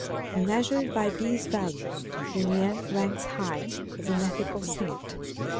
And measured by these values Julien ranks high as an ethical saint.